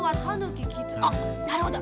あっなるほど。